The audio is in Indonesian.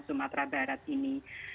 sumatera barat ini